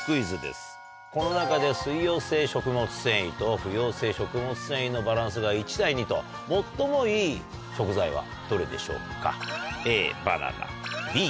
この中で水溶性食物繊維と不溶性食物繊維のバランスが１対２と最もいい食材はどれでしょうか？